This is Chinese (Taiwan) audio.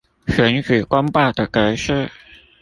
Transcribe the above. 選舉公報的格式